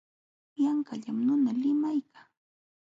Yanqallam nuqa limaykaa.